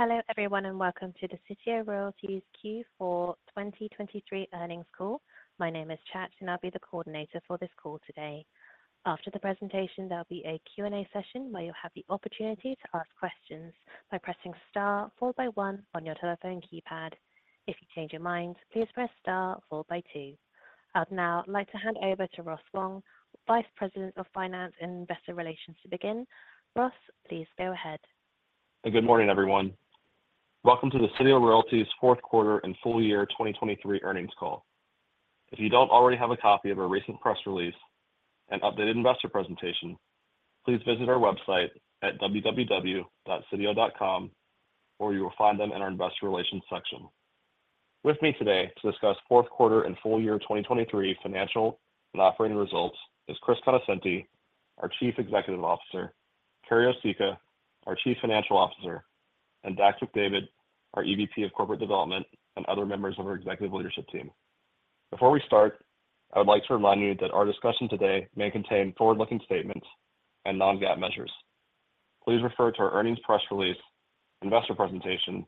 Hello everyone and welcome to the Sitio Royalties' Q4 2023 earnings call. My name is Chad and I'll be the coordinator for this call today. After the presentation there'll be a Q&A session where you'll have the opportunity to ask questions by pressing star followed by one on your telephone keypad. If you change your mind please press star followed by two. I'd now like to hand over to Ross Wong, Vice President of Finance and Investor Relations to begin. Ross, please go ahead. Good morning everyone. Welcome to the Sitio Royalties' fourth quarter and full year 2023 earnings call. If you don't already have a copy of our recent press release and updated investor presentation, please visit our website at www.sitio.com or you will find them in our investor relations section. With me today to discuss fourth quarter and full year 2023 financial and operating results is Chris Conoscenti, our Chief Executive Officer, Carrie Osicka, our Chief Financial Officer, and Dax McDavid, our EVP of Corporate Development and other members of our executive leadership team. Before we start, I would like to remind you that our discussion today may contain forward-looking statements and non-GAAP measures. Please refer to our earnings press release, investor presentation,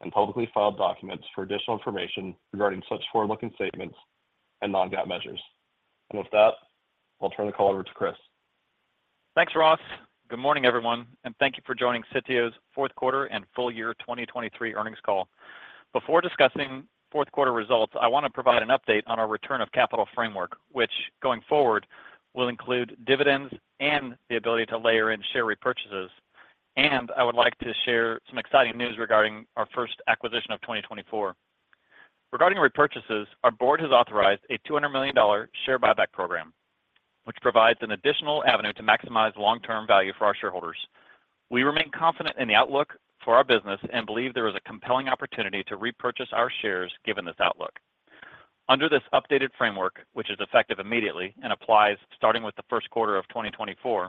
and publicly filed documents for additional information regarding such forward-looking statements and non-GAAP measures. With that, I'll turn the call over to Chris. Thanks Ross. Good morning everyone and thank you for joining Sitio's fourth quarter and full year 2023 earnings call. Before discussing fourth quarter results, I want to provide an update on our return of capital framework, which, going forward, will include dividends and the ability to layer in share repurchases. I would like to share some exciting news regarding our first acquisition of 2024. Regarding repurchases, our board has authorized a $200 million share buyback program, which provides an additional avenue to maximize long-term value for our shareholders. We remain confident in the outlook for our business and believe there is a compelling opportunity to repurchase our shares given this outlook. Under this updated framework, which is effective immediately and applies starting with the first quarter of 2024,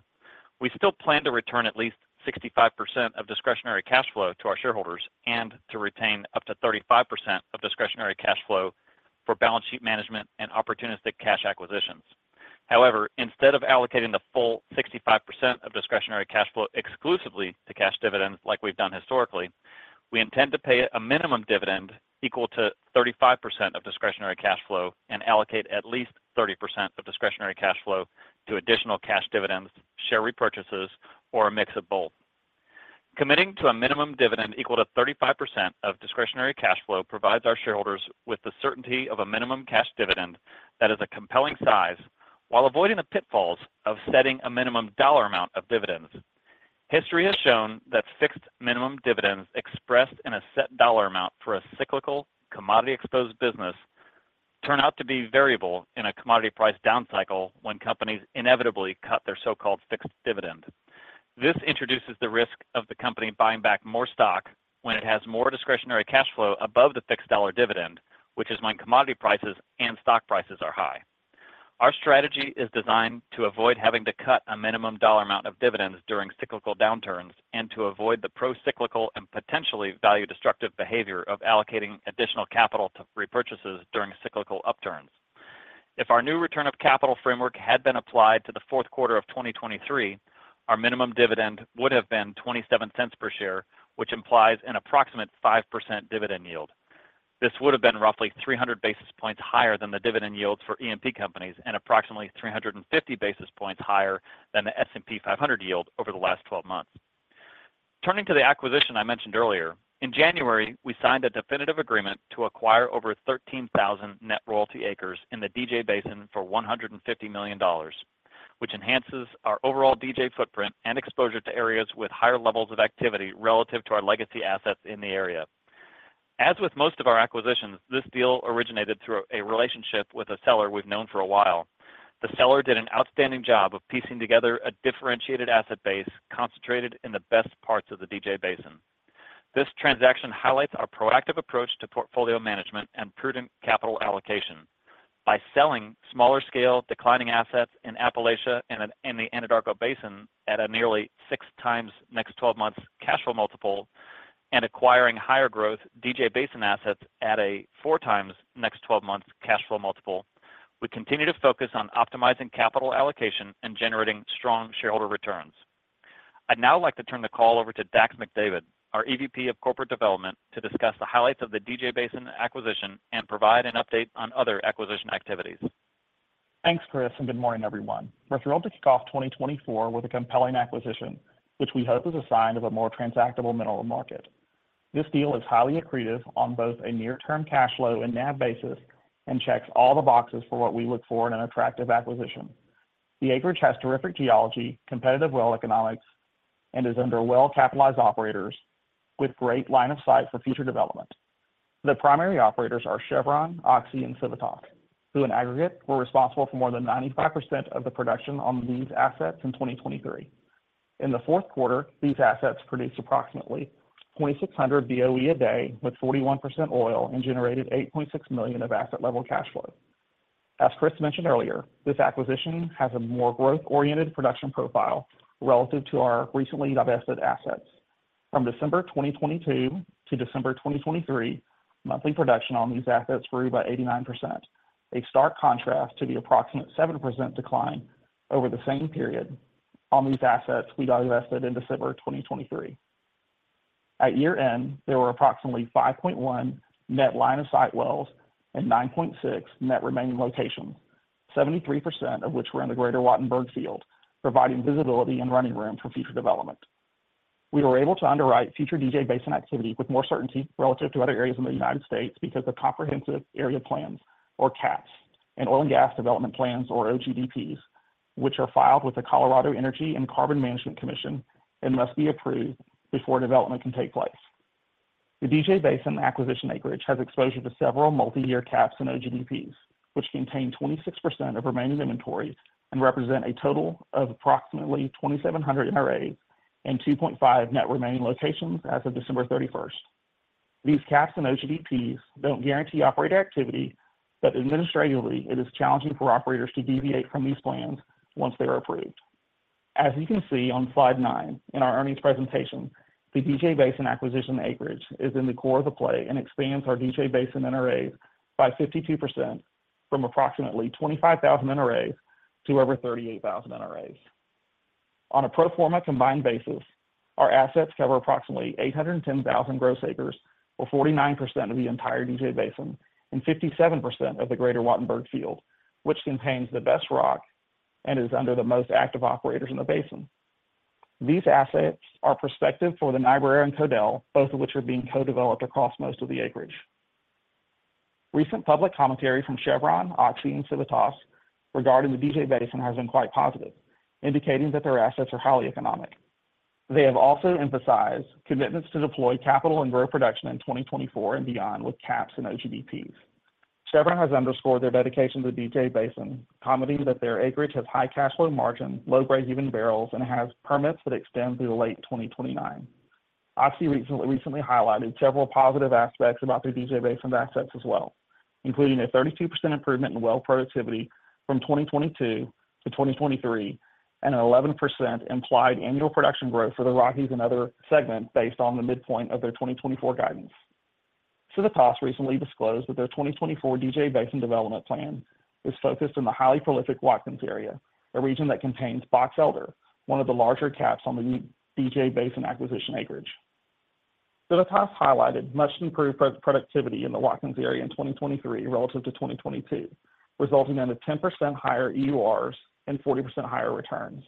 we still plan to return at least 65% of discretionary cash flow to our shareholders and to retain up to 35% of discretionary cash flow for balance sheet management and opportunistic cash acquisitions. However, instead of allocating the full 65% of discretionary cash flow exclusively to cash dividends like we've done historically, we intend to pay a minimum dividend equal to 35% of discretionary cash flow and allocate at least 30% of discretionary cash flow to additional cash dividends, share repurchases, or a mix of both. Committing to a minimum dividend equal to 35% of discretionary cash flow provides our shareholders with the certainty of a minimum cash dividend that is a compelling size while avoiding the pitfalls of setting a minimum dollar amount of dividends. History has shown that fixed minimum dividends expressed in a set dollar amount for a cyclical commodity exposed business turn out to be variable in a commodity price down cycle when companies inevitably cut their so-called fixed dividend. This introduces the risk of the company buying back more stock when it has more discretionary cash flow above the fixed dollar dividend, which is when commodity prices and stock prices are high. Our strategy is designed to avoid having to cut a minimum dollar amount of dividends during cyclical downturns and to avoid the pro-cyclical and potentially value destructive behavior of allocating additional capital to repurchases during cyclical upturns. If our new return of capital framework had been applied to the fourth quarter of 2023, our minimum dividend would have been $0.27 per share, which implies an approximate 5% dividend yield. This would have been roughly 300 basis points higher than the dividend yields for E&P companies and approximately 350 basis points higher than the S&P 500 yield over the last 12 months. Turning to the acquisition I mentioned earlier, in January we signed a definitive agreement to acquire over 13,000 net royalty acres in the DJ Basin for $150 million, which enhances our overall DJ footprint and exposure to areas with higher levels of activity relative to our legacy assets in the area. As with most of our acquisitions, this deal originated through a relationship with a seller we've known for a while. The seller did an outstanding job of piecing together a differentiated asset base concentrated in the best parts of the DJ Basin. This transaction highlights our proactive approach to portfolio management and prudent capital allocation. By selling smaller scale declining assets in Appalachia and the Anadarko Basin at a nearly 6x next 12 months cash flow multiple and acquiring higher growth DJ Basin assets at a 4x next 12 months cash flow multiple, we continue to focus on optimizing capital allocation and generating strong shareholder returns. I'd now like to turn the call over to Dax McDavid, our EVP of Corporate Development, to discuss the highlights of the DJ Basin acquisition and provide an update on other acquisition activities. Thanks Chris and good morning everyone. We're thrilled to kick off 2024 with a compelling acquisition, which we hope is a sign of a more transactable mineral market. This deal is highly accretive on both a near-term cash flow and NAV basis and checks all the boxes for what we look for in an attractive acquisition. The acreage has terrific geology, competitive well economics, and is under well capitalized operators with great line of sight for future development. The primary operators are Chevron, Oxy, and Civitas, who in aggregate were responsible for more than 95% of the production on these assets in 2023. In the fourth quarter, these assets produced approximately 2,600 BOE a day with 41% oil and generated $8.6 million of asset level cash flow. As Chris mentioned earlier, this acquisition has a more growth oriented production profile relative to our recently divested assets. From December 2022 to December 2023, monthly production on these assets grew by 89%, a stark contrast to the approximate 7% decline over the same period on these assets we divested in December 2023. At year end, there were approximately 5.1 net Line of Sight Wells and 9.6 net remaining locations, 73% of which were in the Greater Wattenberg Field, providing visibility and running room for future development. We were able to underwrite future DJ Basin activity with more certainty relative to other areas in the United States because of comprehensive area plans or CAPs, and oil and gas development plans or OGDPs, which are filed with the Colorado Energy and Carbon Management Commission and must be approved before development can take place. The DJ Basin acquisition acreage has exposure to several multi-year CAPs and OGDPs, which contain 26% of remaining inventory and represent a total of approximately 2,700 NRAs and 2.5 net remaining locations as of December 31st. These CAPs and OGDPs don't guarantee operator activity, but administratively it is challenging for operators to deviate from these plans once they are approved. As you can see on Slide 9 in our earnings presentation, the DJ Basin acquisition acreage is in the core of the play and expands our DJ Basin NRAs by 52% from approximately 25,000 NRAs to over 38,000 NRAs. On a pro forma combined basis, our assets cover approximately 810,000 gross acres or 49% of the entire DJ Basin and 57% of the Greater Wattenberg Field, which contains the best rock and is under the most active operators in the basin. These assets are prospective for the Niobrara and Codell, both of which are being co-developed across most of the acreage. Recent public commentary from Chevron, Oxy, and Civitas regarding the DJ Basin has been quite positive, indicating that their assets are highly economic. They have also emphasized commitments to deploy capital and grow production in 2024 and beyond with CAPs and OGDPs. Chevron has underscored their dedication to the DJ Basin, commenting that their acreage has high cash flow margin, low breakeven barrels, and has permits that extend through late 2029. Oxy recently highlighted several positive aspects about their DJ Basin assets as well, including a 32% improvement in well productivity from 2022 to 2023 and an 11% implied annual production growth for the Rockies and other segments based on the midpoint of their 2024 guidance. Civitas recently disclosed that their 2024 DJ Basin development plan is focused on the highly prolific Watkins Area, a region that contains Box Elder, one of the larger CAPs on the DJ Basin acquisition acreage. Civitas highlighted much improved productivity in the Watkins Area in 2023 relative to 2022, resulting in 10% higher EURs and 40% higher returns.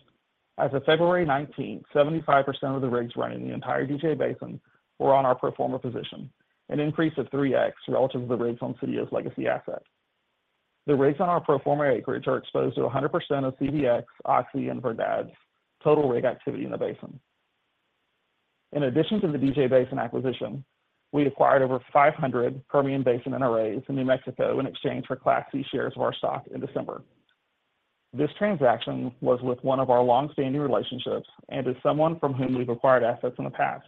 As of February 19th, 75% of the rigs running the entire DJ Basin were on our pro forma position, an increase of 3x relative to the rigs on Civitas's legacy asset. The rigs on our pro forma acreage are exposed to 100% of CVX, Oxy, and Verdad's total rig activity in the basin. In addition to the DJ Basin acquisition, we acquired over 500 Permian Basin NRAs in New Mexico in exchange for Class C shares of our stock in December. This transaction was with one of our longstanding relationships and is someone from whom we've acquired assets in the past.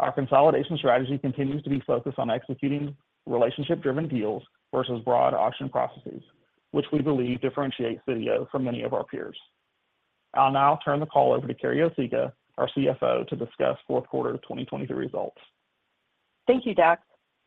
Our consolidation strategy continues to be focused on executing relationship driven deals versus broad auction processes, which we believe differentiate Sitio from many of our peers. I'll now turn the call over to Carrie Osicka, our CFO, to discuss fourth quarter 2023 results. Thank you, Dax.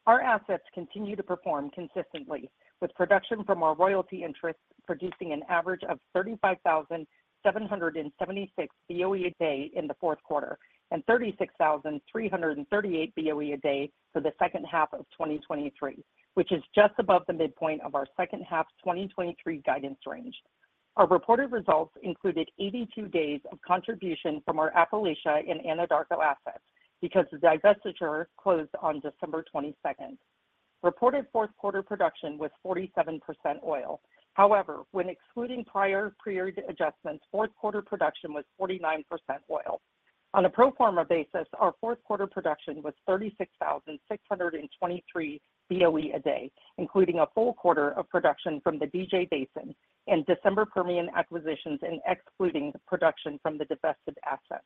Our assets continue to perform consistently, with production from our royalty interests producing an average of 35,776 BOE a day in the fourth quarter and 36,338 BOE a day for the second half of 2023, which is just above the midpoint of our second half 2023 guidance range. Our reported results included 82 days of contribution from our Appalachia and Anadarko assets because the divestiture closed on December 22nd. Reported fourth quarter production was 47% oil. However, when excluding prior period adjustments, fourth quarter production was 49% oil. On a pro forma basis, our fourth quarter production was 36,623 BOE a day, including a full quarter of production from the DJ Basin and December Permian acquisitions and excluding production from the divested assets.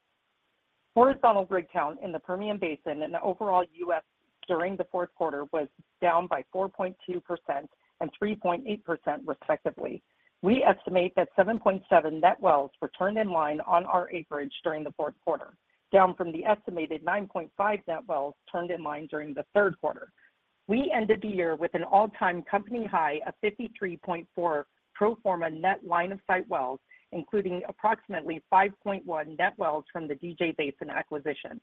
Horizontal grid count in the Permian Basin and the overall U.S. during the fourth quarter was down by 4.2% and 3.8% respectively. We estimate that 7.7 net wells returned in line on our acreage during the fourth quarter, down from the estimated 9.5 net wells turned in line during the third quarter. We ended the year with an all-time company high of 53.4 pro forma net line of sight wells, including approximately 5.1 net wells from the DJ Basin acquisition.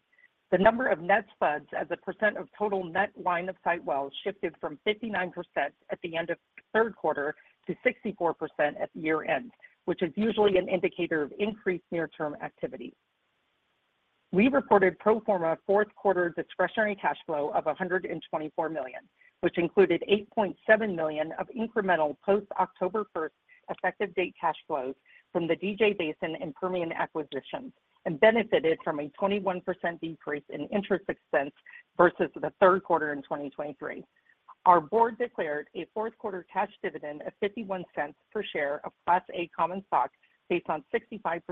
The number of net spuds as a percent of total net line of sight wells shifted from 59% at the end of third quarter to 64% at year end, which is usually an indicator of increased near-term activity. We reported pro forma fourth quarter discretionary cash flow of $124 million, which included $8.7 million of incremental post October 1st effective date cash flows from the DJ Basin and Permian acquisitions and benefited from a 21% decrease in interest expense versus the third quarter in 2023. Our board declared a fourth quarter cash dividend of $0.51 per share of Class A common stock based on 65%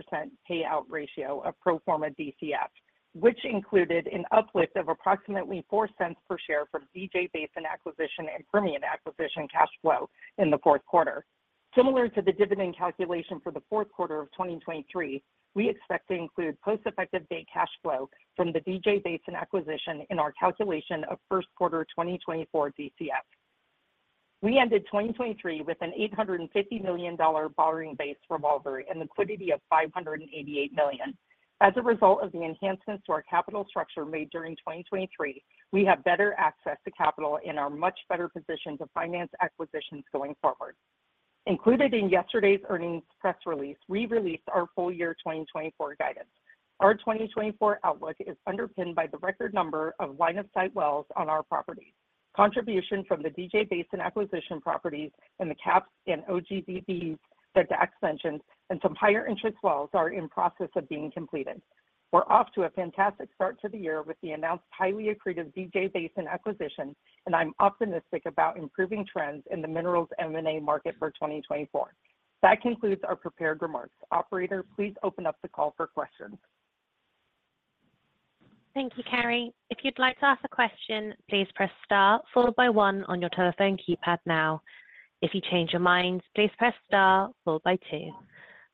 payout ratio of pro forma DCF, which included an uplift of approximately $0.04 per share from DJ Basin acquisition and Permian acquisition cash flow in the fourth quarter. Similar to the dividend calculation for the fourth quarter of 2023, we expect to include post-effective date cash flow from the DJ Basin acquisition in our calculation of first quarter 2024 DCF. We ended 2023 with an $850 million borrowing base revolver and liquidity of $588 million. As a result of the enhancements to our capital structure made during 2023, we have better access to capital and are much better positioned to finance acquisitions going forward. Included in yesterday's earnings press release, we released our full year 2024 guidance. Our 2024 outlook is underpinned by the record number of line of sight wells on our properties. Contribution from the DJ Basin acquisition properties and the CAPs and OGDPs that Dax mentioned and some higher interest wells are in process of being completed. We're off to a fantastic start to the year with the announced highly accretive DJ Basin acquisition, and I'm optimistic about improving trends in the minerals M&A market for 2024. That concludes our prepared remarks. Operator, please open up the call for questions. Thank you, Carrie. If you'd like to ask a question, please press star followed by one on your telephone keypad now. If you change your mind, please press star followed by two.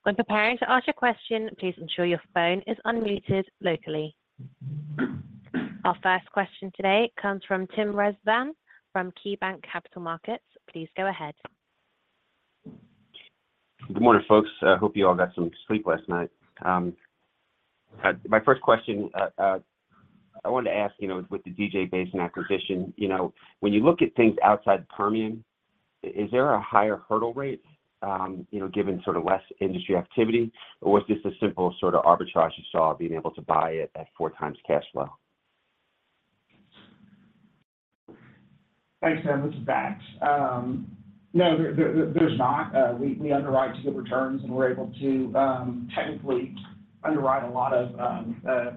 When preparing to ask your question, please ensure your phone is unmuted locally. Our first question today comes from Tim Rezvan from KeyBanc Capital Markets. Please go ahead. Good morning, folks. I hope you all got some sleep last night. My first question, I wanted to ask with the DJ Basin acquisition, when you look at things outside Permian, is there a higher hurdle rate given sort of less industry activity, or was this a simple sort of arbitrage you saw being able to buy it at 4x cash flow? Thanks, Tim. This is Dax. No, there's not. We underwrite to get returns, and we're able to technically underwrite a lot of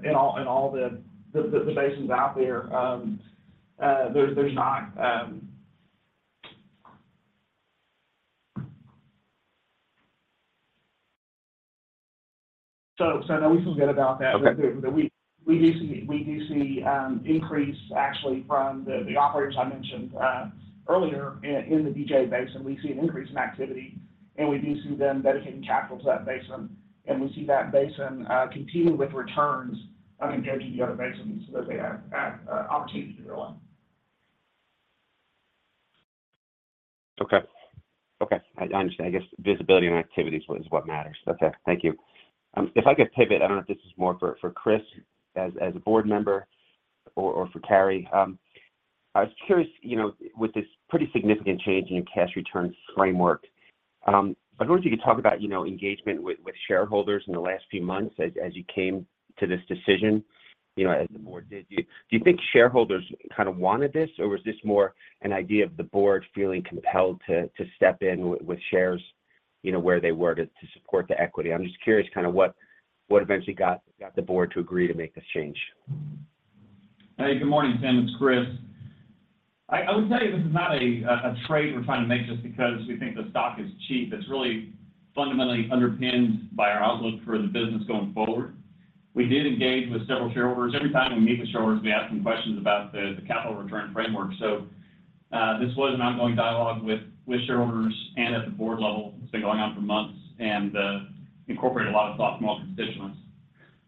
in all the basins out there, there's not. So no, we feel good about that. We do see increase actually from the operators I mentioned earlier in the DJ Basin. We see an increase in activity, and we do see them dedicating capital to that basin. We see that basin continue with returns compared to the other basins that they have opportunity to drill in. Okay. Okay. I understand. I guess visibility and activities is what matters. Okay. Thank you. If I could pivot, I don't know if this is more for Chris as a board member or for Carrie. I was curious, with this pretty significant change in your cash return framework, I wonder if you could talk about engagement with shareholders in the last few months as you came to this decision, as the board did. Do you think shareholders kind of wanted this, or was this more an idea of the board feeling compelled to step in with shares where they were to support the equity? I'm just curious kind of what eventually got the board to agree to make this change. Hey, good morning, Tim. It's Chris. I would tell you this is not a trade we're trying to make just because we think the stock is cheap. It's really fundamentally underpinned by our outlook for the business going forward. We did engage with several shareholders. Every time we meet with shareholders, we ask some questions about the capital return framework. So this was an ongoing dialogue with shareholders and at the board level. It's been going on for months and incorporated a lot of thought from all constituents.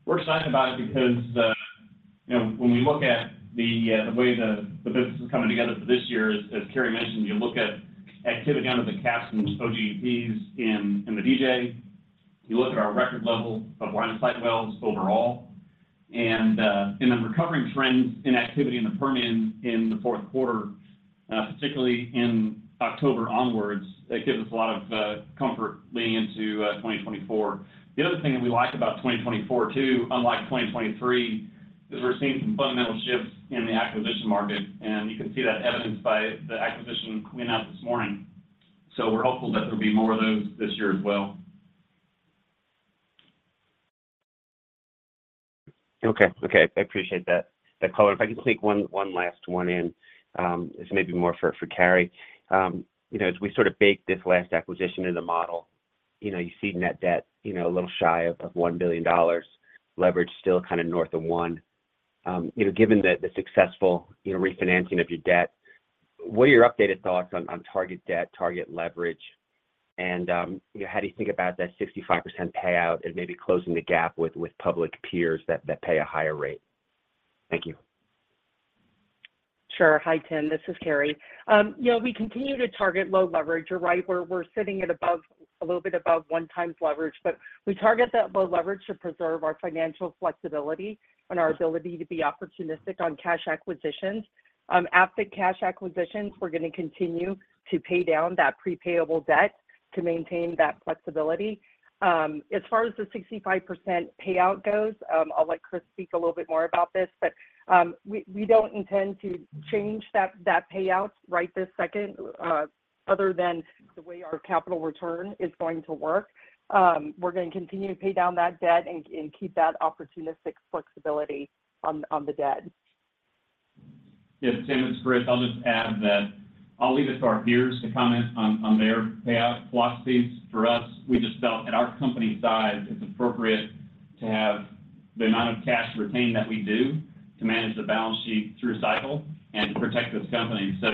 We're excited about it because when we look at the way the business is coming together for this year, as Carrie mentioned, you look at activity under the CAPs and OGDPs in the DJ, you look at our record level of line-of-sight wells overall, and then recovering trends in activity in the Permian in the fourth quarter, particularly in October onwards, that gives us a lot of comfort leading into 2024. The other thing that we like about 2024 too, unlike 2023, is we're seeing some fundamental shifts in the acquisition market, and you can see that evidenced by the acquisition we announced this morning. So we're hopeful that there'll be more of those this year as well. Okay. Okay. I appreciate that color. If I could sneak one last one in, this may be more for Carrie. As we sort of bake this last acquisition into the model, you see net debt a little shy of $1 billion, leverage still kind of north of one. Given the successful refinancing of your debt, what are your updated thoughts on target debt, target leverage, and how do you think about that 65% payout and maybe closing the gap with public peers that pay a higher rate? Thank you. Sure. Hi, Tim. This is Carrie. We continue to target low leverage. You're right. We're sitting a little bit above 1x leverage, but we target that low leverage to preserve our financial flexibility and our ability to be opportunistic on cash acquisitions. After cash acquisitions, we're going to continue to pay down that prepayable debt to maintain that flexibility. As far as the 65% payout goes, I'll let Chris speak a little bit more about this, but we don't intend to change that payout right this second other than the way our capital return is going to work. We're going to continue to pay down that debt and keep that opportunistic flexibility on the debt. Yep. Tim, it's Chris. I'll just add that I'll leave it to our peers to comment on their payout philosophies. For us, we just felt at our company size, it's appropriate to have the amount of cash retained that we do to manage the balance sheet through cycle and to protect this company. So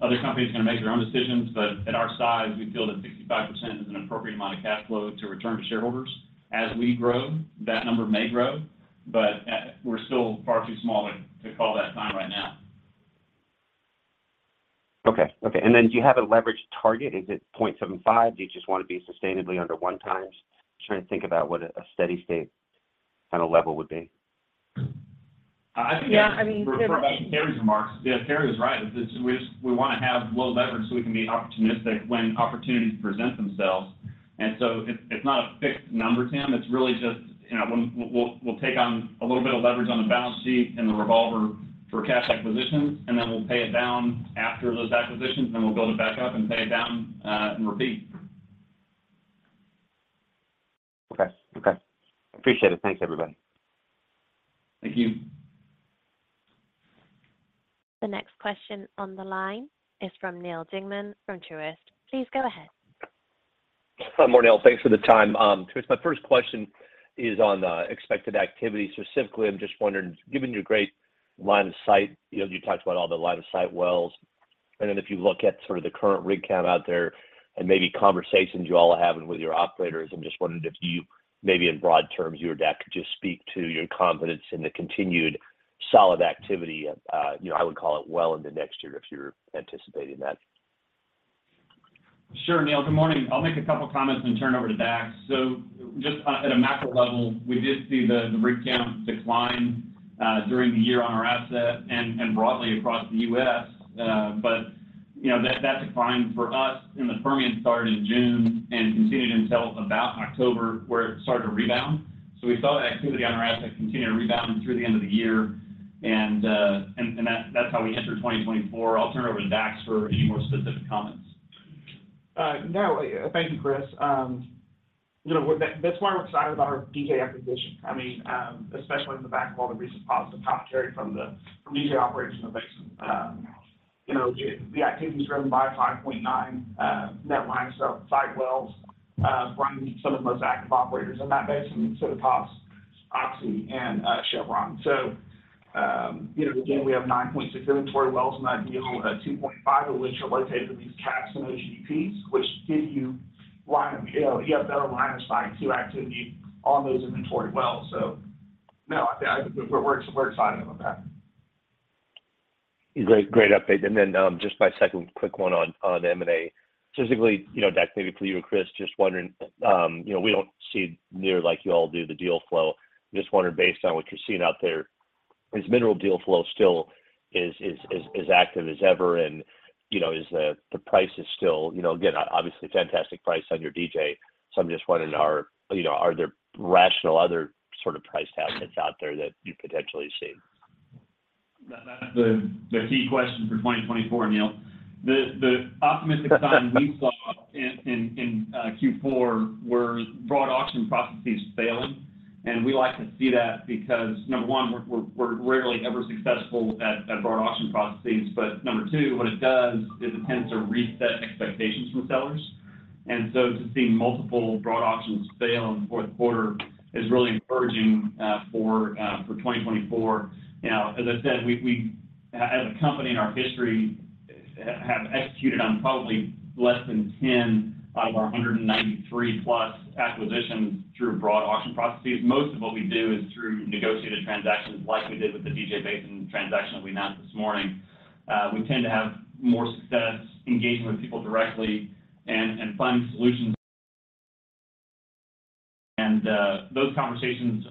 other companies are going to make their own decisions, but at our size, we feel that 65% is an appropriate amount of cash flow to return to shareholders. As we grow, that number may grow, but we're still far too small to call that time right now. Okay. Okay. And then do you have a leverage target? Is it 0.75? Do you just want to be sustainably under one times? Trying to think about what a steady state kind of level would be. I think that. Yeah. I mean, Tim. We're referring back to Carrie's remarks. Yeah, Carrie was right. We want to have low leverage so we can be opportunistic when opportunities present themselves. And so it's not a fixed number, Tim. It's really just we'll take on a little bit of leverage on the balance sheet and the revolver for cash acquisitions, and then we'll pay it down after those acquisitions, and then we'll build it back up and pay it down and repeat. Okay. Okay. Appreciate it. Thanks, everybody. Thank you. The next question on the line is from Neal Dingman from Truist. Please go ahead. Hi, morning, all. Thanks for the time. Truist, my first question is on expected activity. Specifically, I'm just wondering, given your great line of sight, you talked about all the line of sight wells. And then if you look at sort of the current rig count out there and maybe conversations you all are having with your operators, I'm just wondering if you, maybe in broad terms, you or Dax could just speak to your confidence in the continued solid activity, I would call it, well into next year if you're anticipating that? Sure, Neal. Good morning. I'll make a couple of comments and turn over to Dax. So just at a macro level, we did see the rig count decline during the year on our asset and broadly across the U.S., but that decline for us in the Permian started in June and continued until about October where it started to rebound. So we saw activity on our asset continue to rebound through the end of the year, and that's how we entered 2024. I'll turn over to Dax for any more specific comments. No, thank you, Chris. That's why we're excited about our DJ acquisition, I mean, especially in the back of all the recent positive talk, Carrie, from the DJ operators in the Basin. The activity is driven by 5.9 net line of sight wells from some of the most active operators in that Basin, i.e., Civitas, OXY, and Chevron. So again, we have 9.6 inventory wells in that deal, 2.5 of which are located in these CAPs and OGDPs, which give you better line of sight to activity on those inventory wells. So no, we're excited about that. Great update. And then just my second quick one on M&A. Specifically, Dax, maybe for you or Chris, just wondering, we don't see nearly like you all do the deal flow. I just wondered, based on what you're seeing out there, is mineral deal flow still as active as ever, and is the price still again, obviously, fantastic price on your DJ, so I'm just wondering, are there rational other sort of price tactics out there that you've potentially seen? The key question for 2024, Neal. The optimistic sign we saw in Q4 were broad auction processes failing. And we like to see that because, number one, we're rarely ever successful at broad auction processes, but number two, what it does is it tends to reset expectations from sellers. And so to see multiple broad auctions fail in the fourth quarter is really encouraging for 2024. As I said, we, as a company in our history, have executed on probably less than 10 out of our 193+ acquisitions through broad auction processes. Most of what we do is through negotiated transactions like we did with the DJ Basin transaction that we announced this morning. We tend to have more success engaging with people directly and finding solutions. And those conversations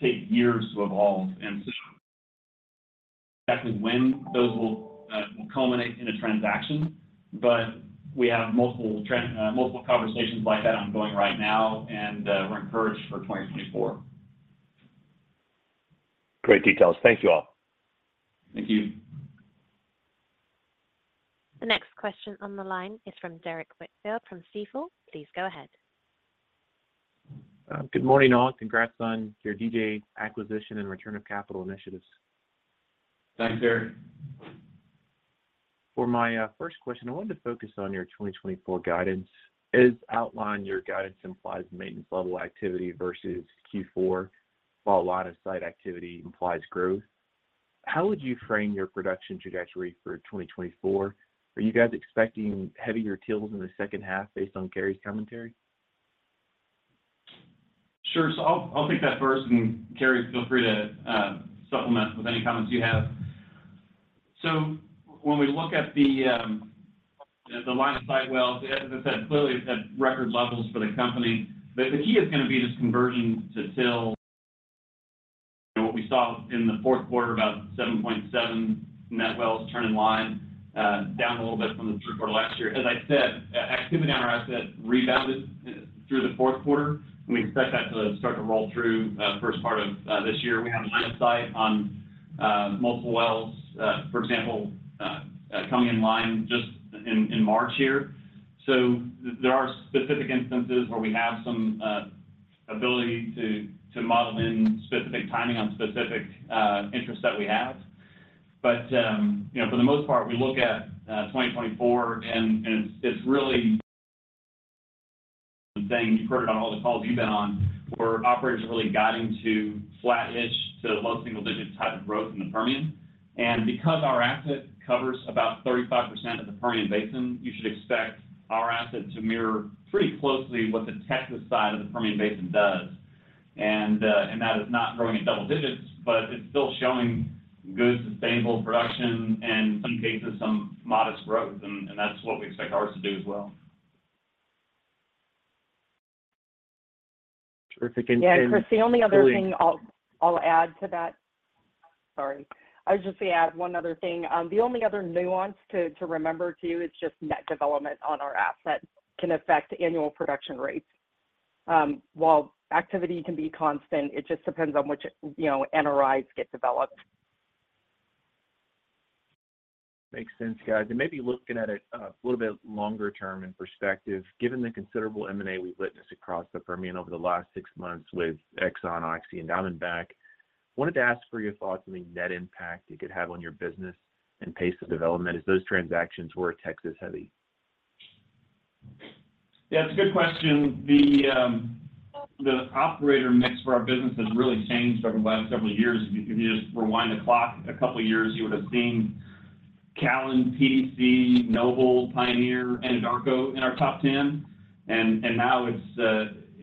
take years to evolve. And so exactly when those will culminate in a transaction, but we have multiple conversations like that ongoing right now, and we're encouraged for 2024. Great details. Thank you all. Thank you. The next question on the line is from Derrick Whitfield from Stifel. Please go ahead. Good morning, Allen. Congrats on your DJ acquisition and return of capital initiatives. Thanks, Derrick. For my first question, I wanted to focus on your 2024 guidance. As outlined, your guidance implies maintenance-level activity versus Q4 while line of sight activity implies growth. How would you frame your production trajectory for 2024? Are you guys expecting heavier TILs in the second half based on Carrie's commentary? Sure. So I'll take that first, and Carrie, feel free to supplement with any comments you have. So when we look at the line of sight wells, as I said, clearly at record levels for the company, the key is going to be this conversion to TIL. What we saw in the fourth quarter, about 7.7 net wells turn in line, down a little bit from the third quarter last year. As I said, activity on our asset rebounded through the fourth quarter, and we expect that to start to roll through first part of this year. We have line of sight on multiple wells, for example, coming in line just in March here. So there are specific instances where we have some ability to model in specific timing on specific interests that we have. But for the most part, we look at 2024, and it's really the thing you've heard it on all the calls you've been on, where operators are really guiding to flat-ish to low single-digit type of growth in the Permian. Because our asset covers about 35% of the Permian Basin, you should expect our asset to mirror pretty closely what the Texas side of the Permian Basin does. That is not growing at double digits, but it's still showing good sustainable production and, in some cases, some modest growth. That's what we expect ours to do as well. Terrific insight. Yeah, Chris, the only other thing I'll add to that. Sorry. I was just going to add one other thing. The only other nuance to remember too is just net development on our asset can affect annual production rates. While activity can be constant, it just depends on which NRIs get developed. Makes sense, guys. Maybe looking at it a little bit longer-term in perspective, given the considerable M&A we've witnessed across the Permian over the last six months with Exxon, OXY, and Diamondback, I wanted to ask for your thoughts on the net impact it could have on your business and pace of development as those transactions were Texas-heavy. Yeah, it's a good question. The operator mix for our business has really changed over the last several years. If you just rewind the clock a couple of years, you would have seen Callon, PDC, Noble, Pioneer, and Anadarko in our top 10.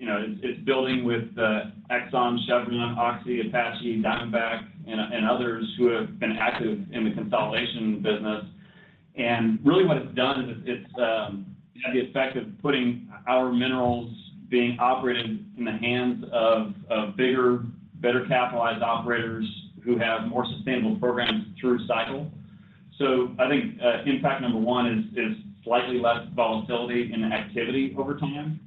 And now it's building with Exxon, Chevron, OXY, Apache, Diamondback, and others who have been active in the consolidation business. And really, what it's done is it's had the effect of putting our minerals being operated in the hands of bigger, better-capitalized operators who have more sustainable programs through cycle. So I think impact number one is slightly less volatility in activity over time.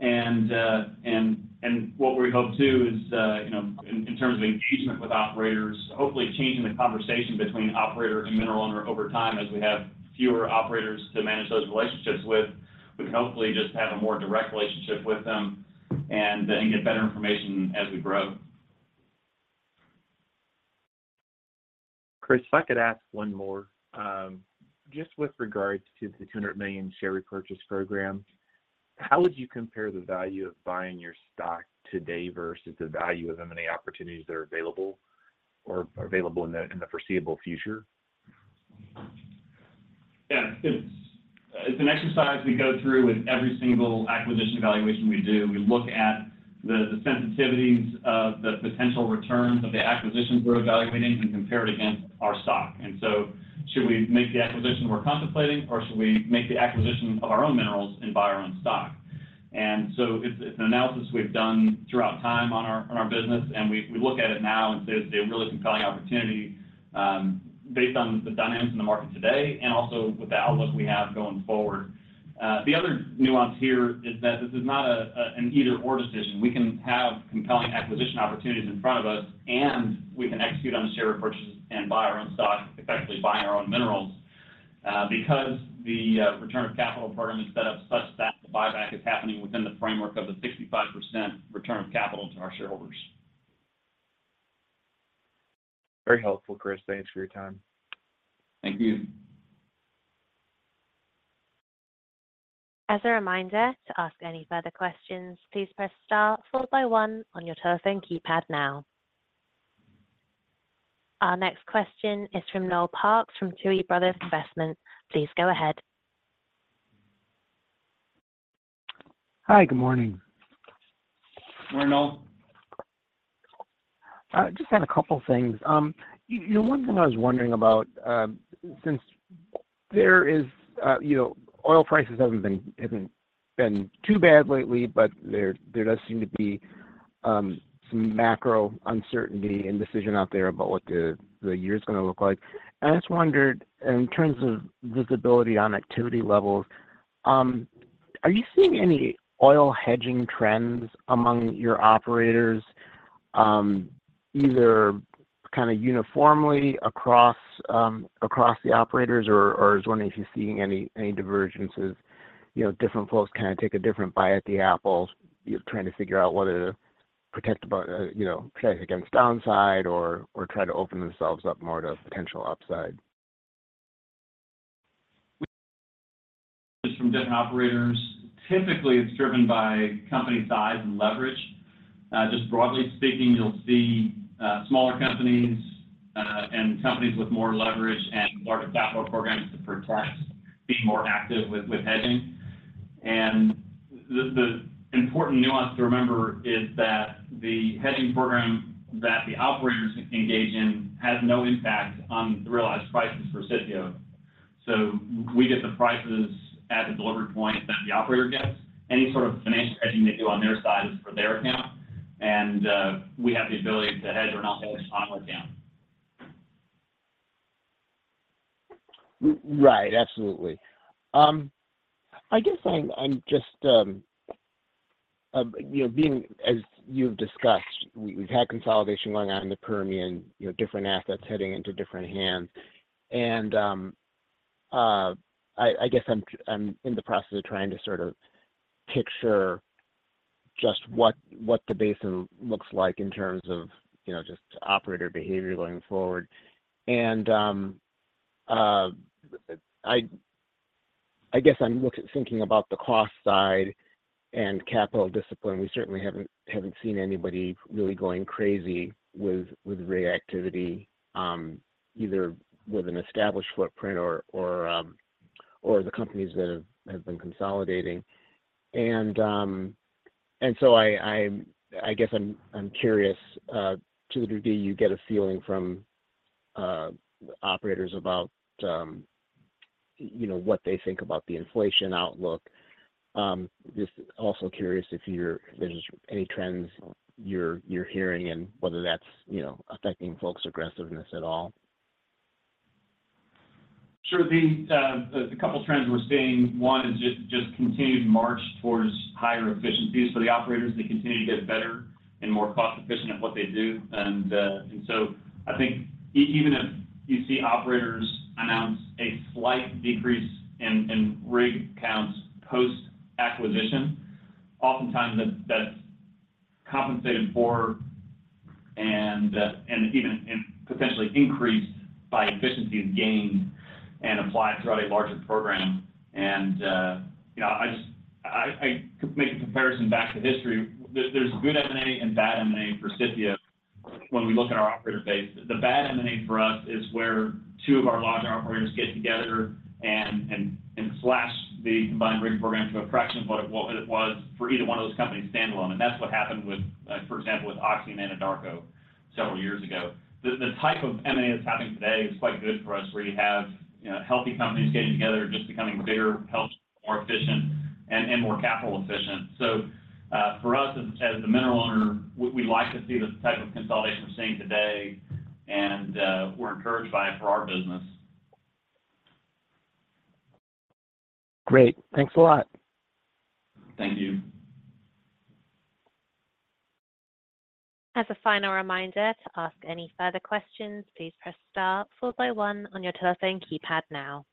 And what we hope too is, in terms of engagement with operators, hopefully changing the conversation between operator and mineral owner over time as we have fewer operators to manage those relationships with. We can hopefully just have a more direct relationship with them and get better information as we grow. Chris, if I could ask one more. Just with regards to the 200 million share repurchase program, how would you compare the value of buying your stock today versus the value of M&A opportunities that are available or available in the foreseeable future? Yeah. It's an exercise we go through with every single acquisition evaluation we do. We look at the sensitivities of the potential returns of the acquisitions we're evaluating and compare it against our stock. And so should we make the acquisition we're contemplating, or should we make the acquisition of our own minerals and buy our own stock? And so it's an analysis we've done throughout time on our business, and we look at it now and say it's a really compelling opportunity based on the dynamics in the market today and also with the outlook we have going forward. The other nuance here is that this is not an either/or decision. We can have compelling acquisition opportunities in front of us, and we can execute on the share repurchase and buy our own stock, effectively buying our own minerals, because the return of capital program is set up such that the buyback is happening within the framework of the 65% return of capital to our shareholders. Very helpful, Chris. Thanks for your time. Thank you. As a reminder to ask any further questions, please press star four by one on your telephone keypad now. Our next question is from Noel Parks from Tuohy Brothers Investment. Please go ahead. Hi. Good morning. Morning, Noel. Just had a couple of things. One thing I was wondering about, since there is oil prices haven't been too bad lately, but there does seem to be some macro uncertainty and decision out there about what the year is going to look like. I just wondered, in terms of visibility on activity levels, are you seeing any oil hedging trends among your operators, either kind of uniformly across the operators, or I was wondering if you're seeing any divergences? Different folks kind of take a different bite at the apple, trying to figure out whether to protect against downside or try to open themselves up more to potential upside. Just from different operators, typically, it's driven by company size and leverage. Just broadly speaking, you'll see smaller companies and companies with more leverage and larger capital programs to protect being more active with hedging. The important nuance to remember is that the hedging program that the operators engage in has no impact on the realized prices for Sitio. So we get the prices at the delivery point that the operator gets. Any sort of financial hedging they do on their side is for their account, and we have the ability to hedge or not hedge on our account. Right. Absolutely. I guess I'm just being, as you've discussed, we've had consolidation going on in the Permian, different assets heading into different hands. I guess I'm in the process of trying to sort of picture just what the Basin looks like in terms of just operator behavior going forward. I guess I'm curious, to the degree you get a feeling from operators about what they think about the inflation outlook, just also curious if there's any trends you're hearing and whether that's affecting folks' aggressiveness at all. Sure. The couple of trends we're seeing, one is just continued march towards higher efficiencies. For the operators, they continue to get better and more cost-efficient at what they do. And so I think even if you see operators announce a slight decrease in rig counts post-acquisition, oftentimes, that's compensated for and even potentially increased by efficiencies gained and applied throughout a larger program. And I could make a comparison back to history. There's good M&A and bad M&A for Sitio when we look at our operator base. The bad M&A for us is where two of our larger operators get together and slash the combined rig program to a fraction of what it was for either one of those companies standalone. And that's what happened, for example, with Oxy and Anadarko several years ago. The type of M&A that's happening today is quite good for us, where you have healthy companies getting together, just becoming bigger, healthier, more efficient, and more capital-efficient. So for us, as the mineral owner, we like to see the type of consolidation we're seeing today, and we're encouraged by it for our business. Great. Thanks a lot. Thank you. As a final reminder to ask any further questions, please press star four by one on your telephone keypad now.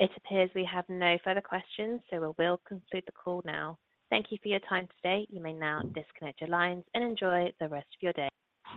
It appears we have no further questions, so we will conclude the call now. Thank you for your time today. You may now disconnect your lines and enjoy the rest of your day.